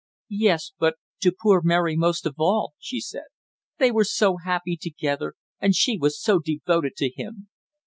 "Yes, but to poor Mary most of all," she said. "They were so happy together; and she was so devoted to him."